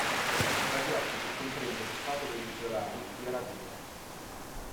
La diocesi comprende lo stato venezuelano di Aragua.